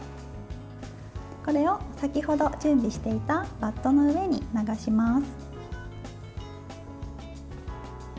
これを先ほど準備していたバットの上に流します。